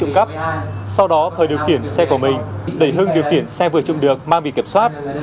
trộm cắp sau đó thời điều khiển xe của mình để hưng điều khiển xe vừa trộm được mang bị kiểm soát